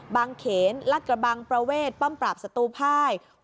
เขนลัดกระบังประเวทป้อมปราบศัตรูภาย